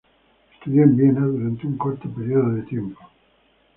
Estudió en Viena durante un corto periodo de tiempo.